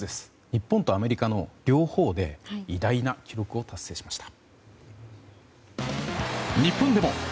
日本とアメリカの両方で偉大な記録を達成しました。